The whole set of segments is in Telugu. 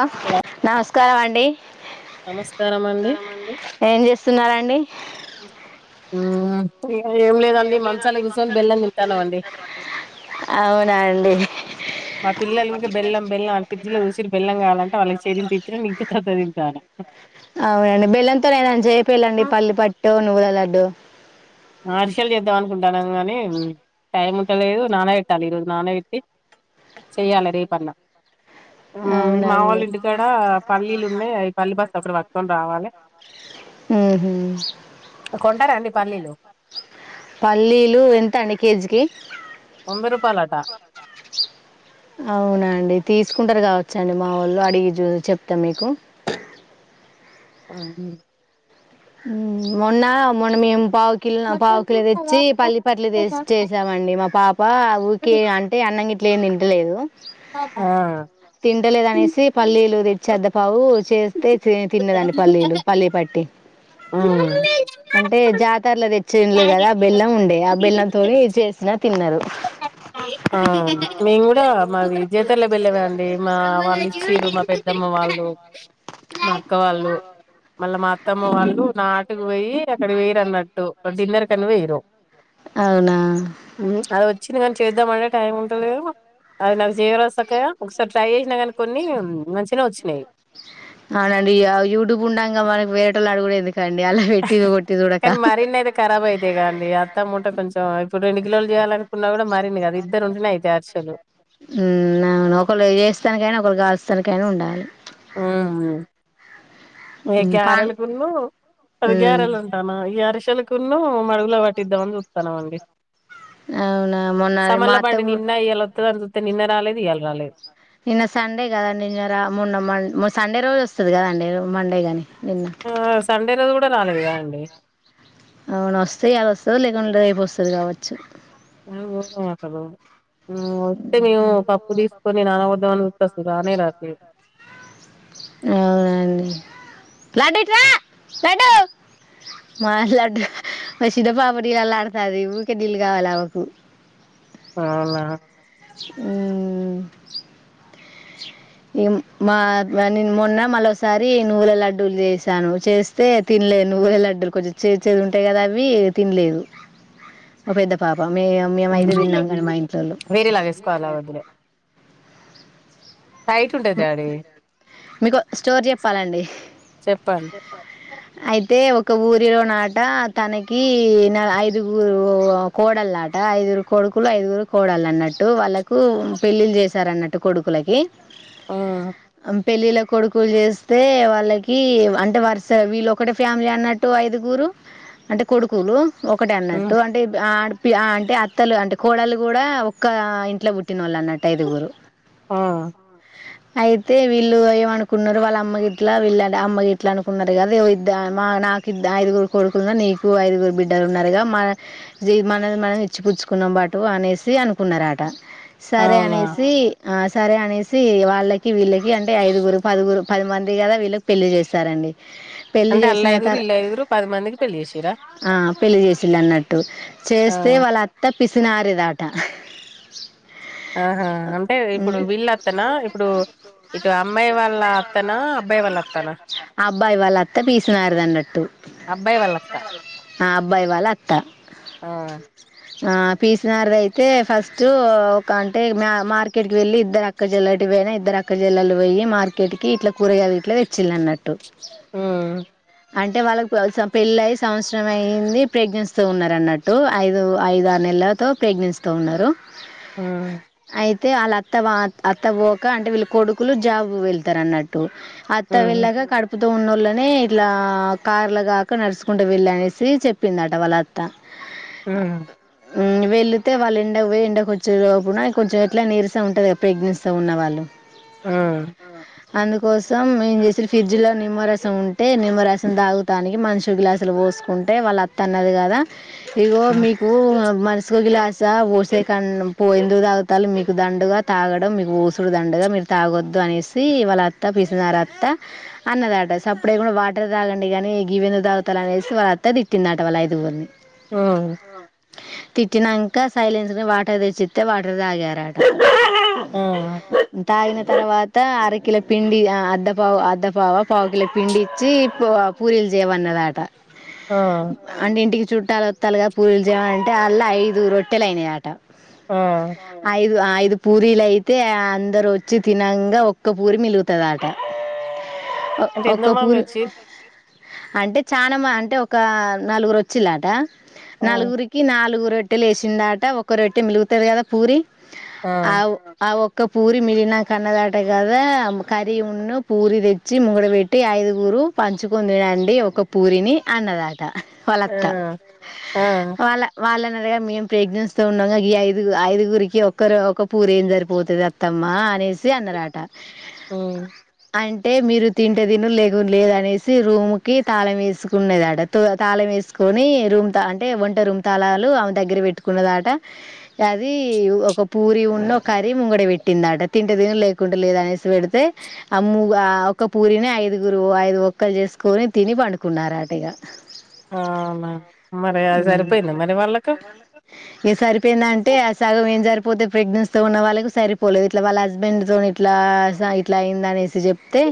ఆ నమస్కారవండి. నమస్కారం అండి ఏం చేస్తున్నారండి. ఊ ఆమ్ తింటాన్నాం అండి అవునా అండి. మా పిల్లలు ఊకే బెల్లం బెల్లం ఆన్ ఫ్రిడ్జ్ లో చూసిర్ బెల్లం కాలంటే వాళ్ళ చేరిన్త్ ఇచ్చిన నీన్ గితాత తిట్టనా. అవునండి బెల్లంతో ఏదన్నా చెప్పేలండి పల్లి పట్టొ నువ్వుల లాడ్డో. మర్షలు చేద్దాం అనుకుంటాన్నాం గానీ టైం ఉంటలేదు నాన వేట్టాలి ఈ రోజు నాన వేట్టి చేయాలె రేపన్నా హో మా వొళ్ళ అవునండి ఇంటికాడ పల్లీలు ఉన్నాయి. ఆ పల్లీ బస్ ఒకట్ పట్టుకొని రావాలే. హోహు కొంటారండి పల్లీలు పల్లీలు ఎంత అండి కేజీకి వంద రూపాలు అటా అవునా అండి తీసుకుంటారు గావచ్చండి మా వొళ్ళు అడిగి జు చెప్తా మీకు హహు ఉహ్ మొన్న మొన్న మీమ్ పావుకిల్లా పావుకిల్లా తేచ్చి పల్లి పట్లు దేస్ చేసామండి మా పాప్ వా ఊకే అంటే అన్నం గిట్లా ఏమి తింట్లేదు. తింటలేదు అనేసి పల్లీలు తెచ్చి అందపావు చేస్తే తే తిన్నదండి ఆ పల్లీలు, పల్లీ పట్టి ఆ అంటే జాతర్ల దే చింలు గదా ఆ బెల్లం ఉండే ఆ బెల్లంతోడి చేసినా తిన్నరు. ఆ మేము కూడా మావి జీతేర్ల బెల్లవే అండి. మా వాళ్ళు ఇచ్చురు. మా పెద్దమ్మ వా ళ్లు, మా అక్క వాళ్ళు, మళ్ళా మా అత్ తమ్మ వాళ్ళు నాటుకు వోయి, అక్కడ ఓయిరానట్టు డిన్నర్ కని వేయిరు. అవునా హూ అది వచ్చింది కానీ చెందామంటే టైం ఉంటలేదు. అది నాకు జేయరాదు సక్కగా, ఒకసారి ట్రై చేసినా కాని కొన్ని మంచినే వచ్చినాయ్. వీయా యూటూబ్ ఉండగా మనవ్వేరొటోలని అడుగుడేది. కానీ మరిన్ని అయితే కారాబైతాయి కాండి. అత్త మున్ట్ కొంచెం ఇప్పుడు రెండు కిల్లోలు జేయాలనుకున్నా కూడా మరిన్ని కదా ఇద్దరు ఉంటనే అయితాయ్ అర్చలు. హుహ్ అవును ఒకళ్ళు ఏస్తానికైనా ఒకళ్ళు కల్లూత్సనికైనా ఉండాలి. ఓహ ఏ ఉమ్ పాన్ గ్యారకులు అది ఉమ్ గ్యారెలు ఉంటానా ఈ అరిచేలాక్ కును మడుగుల వట్టిద్దామని చుతునవండి. అవునా మొన్న మా సమల్ల అత్త బండి కూ నిన్న ఇళ వాతదని జూతే నిన్న రాలేదు ఇయాల రాలేదు. నిన్న సండే కదండి. నిన్నారా మొన్న సండే రోజు వసది కదండి, మండే గాని నిన్న ఆ సండే రోజ కూడా రాలేదు గాండి. అవునా వస్తాయి అద్ వస్తద్ లేకుంటే రేప్ వసది కావచ్చు. మా ఊర్లో నాకదు అ ఊ తీసుకొని నానబోద్దామని చూత్తే అసలు రానే రాట్లేదు అవునండి లడ్డు రా లడ్డు మా లడ్డు మా చిన్న పాప నీళ్ళల్లా ఆడుతాంది ఊకే నీళ్లు గావాలి ఆమెకు అవునా ఊ ఈ మా నేను మొన్న మరోసారి నువ్వుల లడ్డూలు చేసాను చేస్తే తినలే నువ్వుల లడ్డు కొంచెం చేదు చేదు ఉంటాయి కదా అవి తినలేదు ఒక పెద్ద పాప మే మేమ అయితే తిన్నాం మ్మ్ కనీ మా ఇంట్లోళ్ళు వేరేలాగా వేసుకోవాలి ఆ వద్దులే టైట్ ఉంటది డాడీ మీకు స్టోర్ చెప్పాలండి చెప్పండి అయితే ఒక ఊరిలో నాట తనకి న ఐదుగురు కోడలు నాట ఐదుగురు కోడలు కొడుకులు ఐదుగురు కోడాల్లన్నట్టు వాళ్ళకు పెళ్ళిళ్ చేశార అన్నట్టు కొడుకులకి ఆ పెళ్ళిళ్ళ కొడుకులు చేస్తే వాళ్ళకి అంటే వర్స వీళ్ళ ఒకటి ఫ్యామిలీ అన్నట్టు ఐదుగురు అంటే కొడుకులు ఒకటి మ్మ్ అన్నట్టు అంటే అంటే అత్తలు అంటే కోడలు కూడా ఒక్క ఇంట్లో పుట్టిన వాళ్ళు అన్నట్టు ఐదుగురు ఆ అయితే వీళ్ళు ఏమనుకున్నారు వాళ్ళ అమ్మ గ ఇట్లా వీళ్ళ అమ్మ గ ఇట్లా అనుకున్నారు కదా మా నాకు ఐదుగురు కొడుకులున్న నీకు ఐదుగురు బిడ్డలు ఉన్నారుగా మన మన మనం ఇచ్చి పుచ్ చ్చుకున్నబటు అనేసి అనుకున్నట సరే అవునా అనేసి సరే అనేసి వాళ్ళకి వీళ్ళకి అంటే ఐదుగురు పదిగురు పది మంది కదా వీళ్ళకి పెళ్లి చేస్తారండి పెళ్లిి అంటే అల్ల చేసిన ఐదుగురు తర ఇల్ల ఐదుగురు పది మందికి పెళ్లి చేసిర్రా ఆ పెళ్లిి చేసిల్లన్నట్టు ఆ చేస్తే వాళ్ళ అత్త పిసినారి దాట దా ఆహా అంటే ఇప్పుడు వీళ్ళ అత్తనా? ఇప్పుడు ఇటు అబ్బాయి అమ్మాయి వాళ్ళ అత్తనా? అత్త అబ్బాయి వాళ్ళ అత్తనా? క అబ్బాయి వాళ్ళ అత్త అబ్బాయి వాళ్ళ అత్త పిసినారిది అన్నట్టు అబ్బాయి వాళ్ళత్త. ఆ అబ్బాయి వాళ్ళ అత్త ఆ! ఆ పీసినార్ది అయితే ఫస్ట్ ఒక అంటే మార్కెట్ కి వెళ్ళలి ఇద్దరు అక్క జల్లటి పోయినా ఇద్దరు అక్క జల్లు పోయి మార్కెట్ కి ఇట్లా కూరగాలు ఇట్లా తెచ్చిళ్ అన్నట్టు ఊ అంటే వాళ్ళకి పెళ్ళ సంవత్సరం అయింది ప్రెగ్నెన్సీ తో ఉన్నారన్నట్టు ఐదు ఐదు ఆరు ఎలా తో ప్రెగ్నెన్స్ తో ఉన్నారు ఆ అయితే వాళ్ళ అత్త అత్త పోక అంటే వీళ్ళు కొడుకులు జాబ్ వెళ్తారు అన్నట్టు అత్త హ్మ్. వెళ్ళగా కడుపు త్త ఉన్నోళ్ళనే ఇట్లా కార్లగాక నడుచుకుంటూ వెళ్ళ అనేసి చెప్పిందట వాళ్ళ అత్త ఉ వెళ్ళతే వాళ్ళ ఎంండ పో ఎండ కూ వర్చుప్పుడా కొంచెం ఎట్లా నీరసం ఉంటది గా ప్రెగ్నెన్స్ తో ఉన్నవాళ్ళు ఆ అందుకోసం మేమ్ చేసిన ఫ్రిడ్జ్ లో నిమ్మరసం ఉంటే నిమ్మరసం తాగుతానికి మనిసో గ్లాసులు పో కుంటే వాళ్ళ అత్త అన్నది కదా ఇ హ్మ్. మీకు పసుకో గ్లాస పోసే క ఎందుకు తాగుతాల్లు మీకు దండుగా తాగడం మీకు ఊసుడుదండగా మీరు తాగొద్దు అనేసి వాళ్ళ అత్త పీసినారి అత్త అన్నదా సప్పుడేడా వాటర్ తాగండి కాని గివెందు తాగుతాల అనేసి వాళ్ళ అత్త తిట్టింద అట వాళ్ళ ఐదుగురిని ఆ తిట్టినాక సైలెన్స్ ని వాటర్ తెచ్చిస్తతే వాటర్ తాగారట ఆ తాగిన తర్వాత అర కిలో పిండి అద్దపావు అద్దపావ పావు కిలో పిండి ఇచ్చి పూరిలు జ చేయ వన్నదాట ఆ చుట్టాల వత్తాలుగా పూజలు చేయాలంటే అళ్ళ ఐదు రొట్టెలు అయినాయి ఆట ఆ! ఐదు ఆ ఐదు పూరీలు అయితే అందరు వచ్చి తినంగా ఒక్క పూరి మిలుగుతుంద ఆట ఒక పెద్దమ్మ పూరు మీరొచ్చి అంటే చా అంటే ఒక నలుగురు వచ్చిలాట ఆ! నలుగురికి నాలుగురు రొట్టెలు వేసిందట ఒక రొట్టె మిలుగుతంది కదా పూరి ఆ ఆ ఒ ఒకక్క పూరి మిగిలి కన్నదాట కద కరి ఉన్న పూరి తెచ్చి ముగడ పెట్టి ఐదు గురు పంచుకుని తినండి ఒక పూరిని అన్నదాది వాళ్ళ ఆ! అత్త ఆ! వాళ్ళ వాళ్ళ మేము ప్రెగ్నెన్స్ త ఉన్నాం ఈ ఐదు ఐదుగురికి ఒక్కరు ఒక పూరీ ఏం సరిపోతుంది అత్తమ్మ అనేసి అన్నరాట హ్మ్. అంటే అంటే మీరు తింటే తిను లేగు లేదనేసి రూమ్ కి తాళం వేసుకునేదట త తాళం వేసుకు ని రూమ్ త అంటే వంట రూమ్ తళాలు ఆమె దగ్గర పెట్టుకున్నదట అది ఒక పూరి ఉన్న ఒక కరీ ముంగడి పెట్టిందట తింటే తిను లేకుండా లేదు అనేసి పెడితే ఆ ము ఒక్క పూరిని ఐదుగురు ఐదు ముక్కలు చేసుకొని తిని పండుకున్నారట ఇక ఆ మ్యామ్ మరి అ సరిపోయింద మరి వాళ్ళక ఇ సరిపోయింద అంటే ఆ సగం ఏం సరి పోతే ప్రెగ్నెన్ీ తో ఉన్న వాళ్ళకి సరిపోలేదు ఇట్లా వాళ్ళ హస్బెండ్ తో ఇట్లా ఇలా అయియంద అనేసి చెప్తే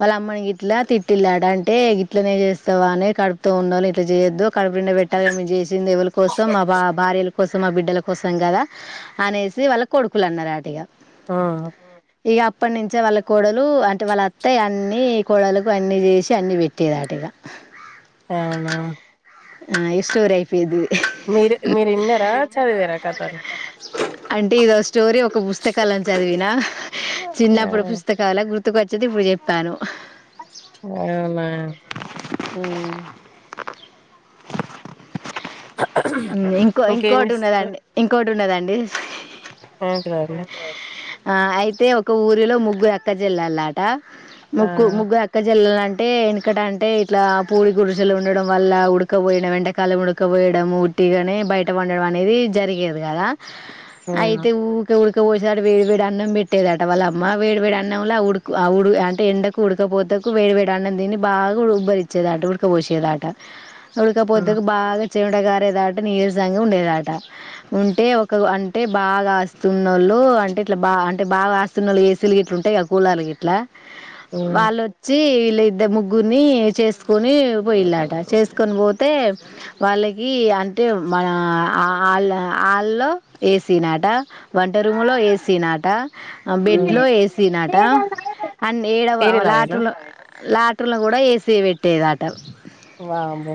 వాళ్ళ అమ్మని గ ఇట్లా తిట్టిల్ళడు అంటే గట్లనే చేస్తావా అని కడుపుత ఉండాలని ఇట్లా చేయొద్దు మేము చేసింది దేవుల కోసం మా బా భార్యల కోసం మా బిడ్డల కోసం కదా అనేసి వాళ్ళ కొడుకులు అన్నారు అట ఇగ ఆ ఇక అప్పటి నుంచే వాళ్ళ కోడలు అంటే వాళ్ళ అత్తాయ అన్నిీ కోడలకు అన్ని చేసి అన్ని పెట్టేదిటి ఇగ అవున ఆ ఇస్టోర్ అయిపోది మీరు మీరు విన్నారా చదివరా కథనీ అంటే ఇదో స్టోరీ ఒక పుస్తకాల చదివిన ఆ! చిన్నప్పుడు పుస్తకాలు గుర్తుకొచ్చేది ఇప్పుడు చెప్తాను అవునా ఆ ఇంకో ఇంకేం ఇంకోటి చేస్తున్నారు? ఉన్నదండి ఇంకోటి ఉన్నదండి ఏంట్రా అండి ఆ అయితే ఒక ఊరిలో ముగ్గు అక్కచేల్లాలట ఆ ముగ్గు ముగ్గు అక్కజల్లాలంటే అంటే ఎనకట అంటే ఇట్లా పూలి గురుసలు ఉండడం వల్ల ఉడ ఉక్కపోయడం వెంటకాలం ముడక్కపోయడంము ఉట్టిగాని బయట వండడం అనేది జరిగేది కదా ఆ అయితే ఊక ఉక పోసాడు వేడి వేడి అన్నం పెట్టేదట వాళ్ళ అమ్మ వేడివేడి అన్నంలో ఆడు ఆవుడు అంట ఎండకు ఉడకపోత వేడి వేడి అన్నం తిని బాగా ఉబ్బరిచ్చేదాట ఉడకపోసేదాట ఆ ఉడకపోతే బాగా చమటగారేదాట నీరసంగా ఉండేదాట ఉంటే ఒక అంటే బాగా ఆస్తున్నోళ్ళు అంటే ఇట్లా బా అంటే బాగా ఆస్తున్న ఏసీలు గ ఇట్లు ఉంటాయి కూలర్లూ ఇట్లా ఆ వాళ్ళొచ్చి వీళ్ళ ఇద్ద ముగ్గురిని చేసుకొని పోయిలాట చేసు తీసుకొని పోతే వాళ్ళకి అంటే మనళ్ళ వాల్లో ఏసీ నాట వంట రూము లో ఏసీ నాట ఆ బెడ్ లో ఏసీ నాట అండ్ ఏడవ వేరేలాగేనా లాటలో లాటర్లో కూడా ఏసీ పెట్టేదిట వామ్మో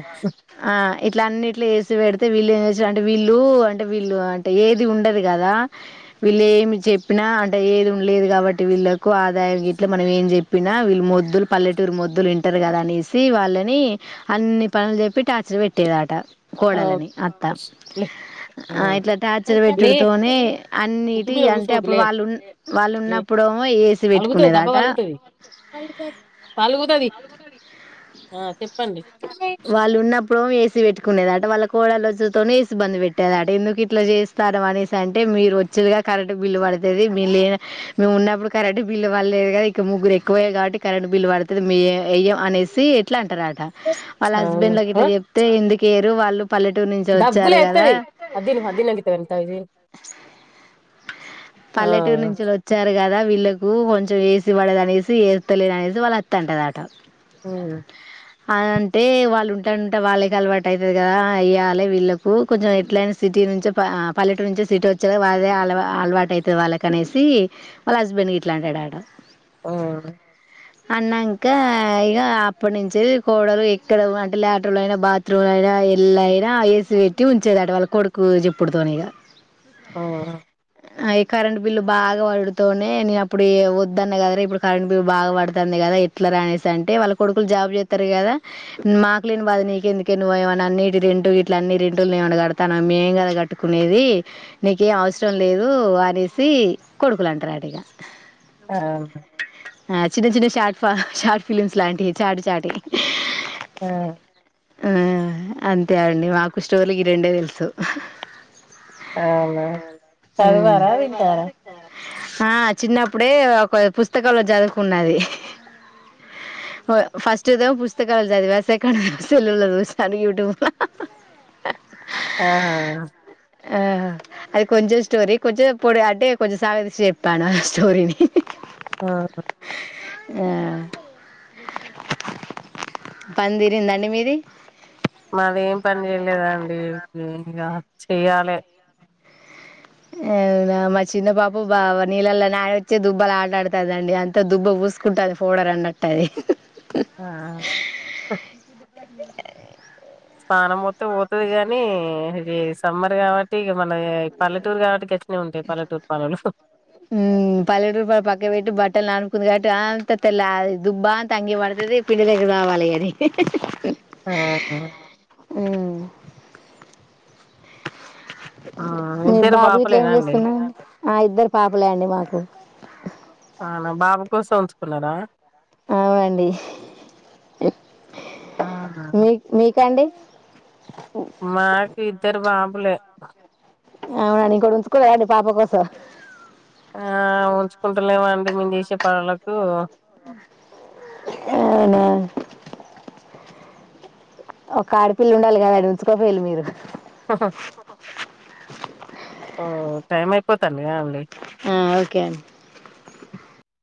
ఇట్ల అన్నిట్లో వేసి పెడితే వీళ్ళు ఏ అంటే వీళ్ళు అంటే వీళ్ళు అంటే ఏది ఉండదు కదా వీళ్ళ ఏమి చెప్పినా అంటే ఏది ఉండలేదు కాబట్టి వీళ్ళలకు ఆదాయం గట్ల మనం ఏం చెప్పినా వీళ్ళ మొద్దులు పల్లెటూరు మొద్దులు వింటారు కదా అనేసి వాళ్ళని అన్నిీ పనులు చెప్పి టాచర్ పెట్టేదాట ఆ! కోడలని అత్త లే ఆ ఇట్లా టార్చర్ లే పెెట్టుడుతోనే ఉప్పు అన్నిటి మీద అంటే కూసోవద్దు అప్పుడు లే వాళ్ళు వాళ్ళు లే ఉన్నప్పుడు మో ఏసి పెట్టుకునేదాట పలుగుతుది ఆ చెప్పు వాళ్ళు ఉన్నప్పుడో ఏసీ పెట్టుకునేది అంట వాళ్ళ కోడలు వచ్చుతోనే ఏసి ఇబ్బంది పెట్టేదట ఎందుకు ఇట్లా చేస్తారు అనేసి అంటే మీరు వచ్చేదిగా కరెక్ట్ బిల్లు పడతది మీ లే మేము ఉన్నప్పుడు కరెంట్ బల్లుల్లలేదు కద ఇక ముగ్గురు ఎకువయ కాబట్టి కరెంట్ బల్ పడుతది మీ ఎయ్యం అనేసి ఎట్లా అంటారట వాళ్ళ అవును హస్బెండ్ కి ఆ ఇట్లా చెప్తే ఎందుకు ఏయరు వాళ్ళు పల్లెటూరు నుంచి దగ్గు వచ్చారు కదా లేత్తది అది తిను అది తిన్నాక ఇత్త గాని తాగు ఇది తిను ఆ పల్లెటూరు నుంచి వచ్చారు కదా వీళ్ళలకు కొంచెం ఏసి పడదు అనేసి ఏతలేదు అనేసి వాళ్ళు అత్త అంటదట ఆ అ అంటే వాళ్ళు ఉంటా ఉంటే వాళ్ళకి అలవాటు అవుతుది కదా వేయ్యాలి వీళ్ళలకు కొంచెం ఎట్లయినా సి సిటీ నుంచి ఆ పల్లెట నుంచంచి సిటీ వచ్చే వాళ్ే అలవా అలవాటు అవుతది వాళ్ళ కి అనేసి వాళ్ళ హస్బెండ్ ఇట్లా అంటాడంట ఆ అన్నాంక ఇగ అప్పటి నుం చి కోడలు ఎక్కడ అంటే ల్యాట్రన్ లో అయినా బాత్రూమ్ లో అయినా ఎల్ల అైనా ఏసీ పెట్టి ఉంచేదిట వాళ్ళకి కొడుకు చెప్పుడుతోనే ఇగ ఆఓ ఆఏ కరెంట్ బిల్లు బాగా పడుతూనే నేను అప్పుడు వద్దదున్న కదా రా ఇప్పుడు కరెంట్ బిల్లు బాగాడుతాంది కదా ఎట్లా రానేేసి అంటే వాళ్ళ కొడుకులు జాబ్ చేస్త తారు కదా మాకు లేని బాధ నీకు ఎందుకే నువ్ ఏమనా అన్ని రెంటూ ఇట్ల అన్ని రెంటులేమ కడతాను మేంగద కట్టుకునేది నీకేం అవసరం లేదు అనేసి కొడుకులు అంటారు అంట ఇగ ఆ చిన్న చిన్న షార్ట్ ఫా షార్ట్ ఫిలిమ్స్ లాంటివి చాటి చాటి ఆ ఆ అంతే అండి మాకు ఇష్టోలకి ఈ రెండే తెలుసు అవున చదివారా వింటారా ఆ చిన్నప్పుడే ఒక పుస్తకంలో చదువుకున్నది ఓ ఫస్ట్ టేదేమో పుస్తకలు చదివా సెకండ్ సెల్లులో చూసా అది యూట్యూబ్లా ఆా ఆ అది కొంచెం స్టోరి కొంచెం పోడు అంటే కొంచెం సగదిప్పాను స్టోరీని ఆ ఆ పనితీరిందా అండి మీది మాదేం పని చేయలేదండి ఇంకా చెయ్యాలే అవునా మా చిన్న పాప బా నీళ్ళలో నాని వచ్చే దుబ్బలా ఆట ఆడుతదండి అంతా దుబ్బ పుసుకుంటుది ఫోడ రంనాట్ అది ఆ స్నానం మొత్తం పోతుది కాగానీ ఇది సమ్మర్ కాబట్టి ఇగ మన పల్లెటూరు కాబట్టి గట్లనే ఉంటాయి పల్లెటూరు పనులలు ఉ పల్లెటూరు పని పక్క బెట్టి బట్టలు నాన్ కుందు కాటు అంత తెల్ల దుబ్బా అంత అంగి పడుతది పిండి దెగి రావాలి గది ఆ హ్మ్. మీ ఇద్దరు బాబు ఇట్లా ఏం పాపలేనా అండి చేస్తున్నా ఆ ఇద్దరు పాపలే అండి మాకు అనా బాబు కోసం ఉంచుకున్నారా అవునా మీక్ మీకండి మాకి ఇద్దరు బాబులే అవునా ఇంకోటి ఉంచుకోలేదండి పాప కోసం ఆ ఉంచుకుంటలేమ్ అండి మేము చేసే పనులకు అవునా ఒక ఆడపిల్ల ఉండాలి కదా ఉంచోకోపోయిలు మీరు ఓ టైం అయిపోతండి కదా అండి అ ఓకే అం